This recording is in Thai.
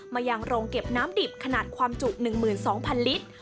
มายังโรงเก็บน้ำดิบขนาดความจุ๑๒๐๐ลิตร